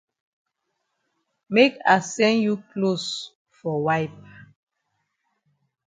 Make I send you closs for wipe.